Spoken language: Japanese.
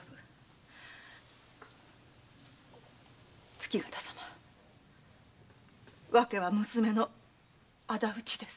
月形様訳は娘の敵討ちです。